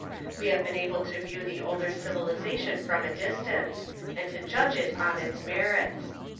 We have been able to view the older civilisation from a distance, and to judge it on its merits.